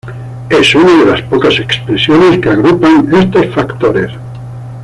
Es una de las pocas expresiones que agrupan estos factores.